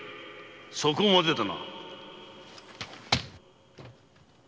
そこまでだな。